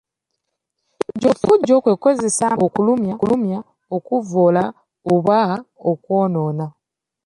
Effujjo kwe kukozesa amaanyi okulumya, okuvvoola, oba okwonoona.